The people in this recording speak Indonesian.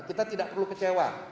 kita tidak perlu kecewa